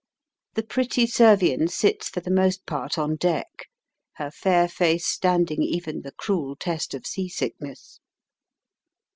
The pretty Servian sits for the most part on deck, her fair face standing even the cruel test of sea sickness.